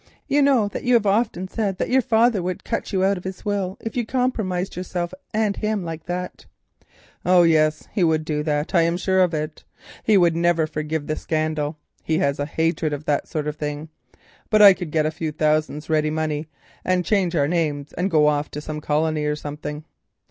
You know you have often said that your father would cut you out of his will if you compromised yourself and him like that." "Oh, yes, he would. I am sure of it. He would never forgive the scandal; he has a hatred of that sort of thing. But I could get a few thousands ready money, and we could change our names and go off to a colony or something."